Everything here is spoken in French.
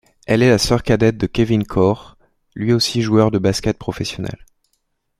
Elle est la sœur cadette de Kevin Corre, lui aussi joueur de basket-ball professionnel.